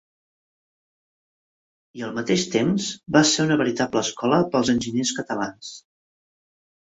I al mateix temps, va ser una veritable escola pels enginyers catalans.